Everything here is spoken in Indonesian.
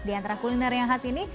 diantara kuliner yang khas ini